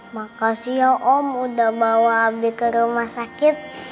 makasih ya om udah bawa bek ke rumah sakit